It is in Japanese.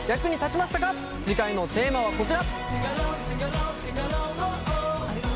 次回のテーマはこちら！